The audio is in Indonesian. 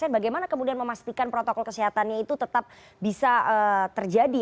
bagaimana kemudian memastikan protokol kesehatannya itu tetap bisa terjadi